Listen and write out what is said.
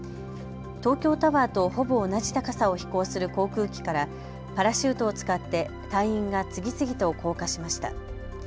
東京タワーとほぼ同じ高さを飛行する航空機からパラシュートを使って隊員が次々と降下しました。